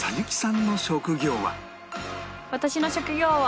私の職業は。